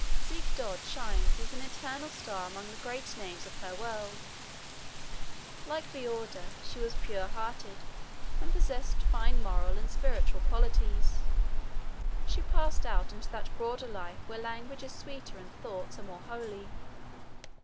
Ziek dod shines as an eternal star among the great names of her world. Like Veorda, she was pure hearted and possessed fine moral and spiritual qualities. She passed out into that Broader Life where language is sweeter and thoughts are more holy.